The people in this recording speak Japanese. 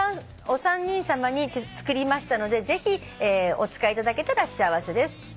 「お三人さまに作りましたのでぜひお使いいただけたら幸せです」